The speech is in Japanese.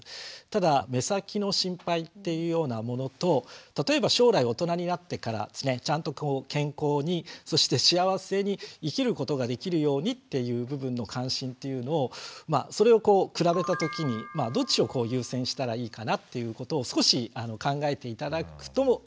ただ目先の心配っていうようなものと例えば将来大人になってからちゃんと健康にそして幸せに生きることができるようにっていう部分の関心っていうのをそれをこう比べたときにどっちを優先したらいいかなっていうことを少し考えて頂くといいのかなっていう気がします。